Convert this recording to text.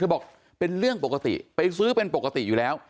บอกเป็นเรื่องปกติไปซื้อเป็นปกติอยู่แล้ว